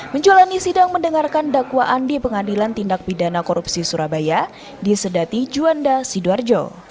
menjalani sidang mendengarkan dakwaan di pengadilan tindak pidana korupsi surabaya di sedati juanda sidoarjo